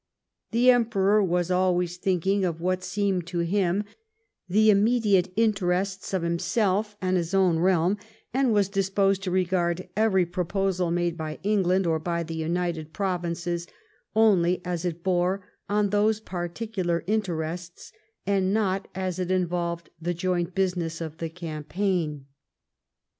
The Emperor was always thinking of what seemed to him the immediate interests of him self and his own realm, and was disposed to regard every proposal made by England or by the United Provinces only as it bore on those particular interests, and not as it involved the joint business of the cam paign.